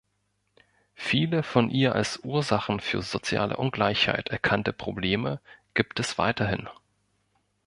Viele von ihr als Ursachen für soziale Ungleichheit erkannte Probleme gibt es weiterhin.